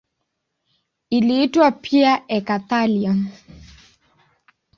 Iliitwa pia eka-thallium.